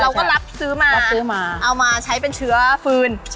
เราก็รับซื้อมาเอามาใช้เป็นเชื้อฟืน